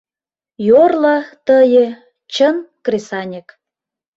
...Йорло, тые — чын кресаньык